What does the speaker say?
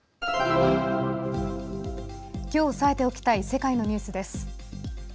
きょう押さえておきたい世界のニュースです。